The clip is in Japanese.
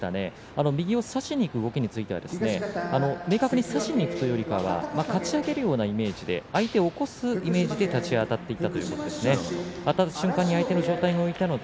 右を差しにいく動きは明確に差しにいくというよりもかち上げるようなイメージで相手を起こすイメージであたっていったと話しています。